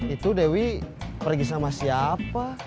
itu dewi pergi sama siapa